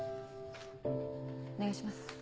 お願いします。